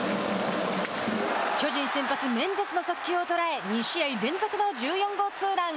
巨人先発メンデスの速球を捉え２試合連続の１４号ツーラン。